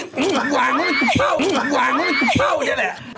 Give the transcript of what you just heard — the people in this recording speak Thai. หืมหวานก็ไม่กุเป้าหวานก็ไม่กุเป้าเงี้ยแหละ